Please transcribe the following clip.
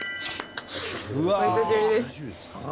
お久しぶりです。